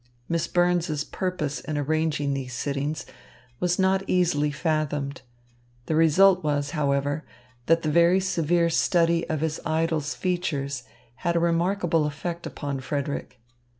Miss Burns's purpose in arranging these sittings was not easily fathomed. The result was, however, that the very severe study of his idol's features had a remarkable effect upon Frederick.